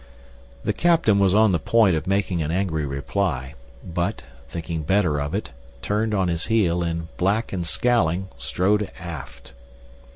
The captain was on the point of making an angry reply, but, thinking better of it, turned on his heel and black and scowling, strode aft.